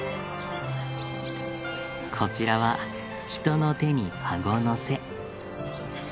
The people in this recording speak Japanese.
こちらは人の手にあごのせ。